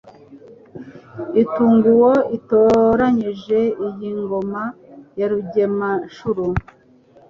Itunga uwo itoranyije Iyi ngoma ya Rugema-nshuro,